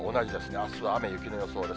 あすは雨、雪の予報です。